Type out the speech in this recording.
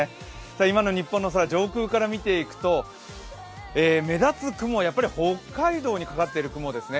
今の日本の空を上空から見ていくと目立つ雲は北海道にかかっている雲ですね。